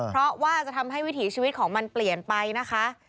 เพราะว่าจะทำให้วิถีชีวิตของมันเปลี่ยนไปนะคะ